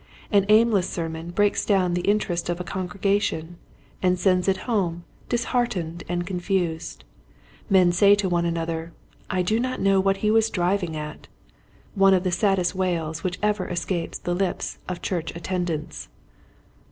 An aimless sermon breaks down the inter est of a congregation and sends it home disheartened and confused. Men say to one another, " I do not know what he was driving at," — one of the saddest wails which ever escapes the lips of church at tendants.